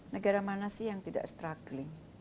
negara mana sih yang tidak struggling